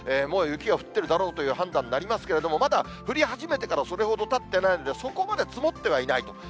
もう雪が降っているだろうという判断でありますけれども、まだ降り始めてからそれほどたってないので、そこまでは積もってはいないと。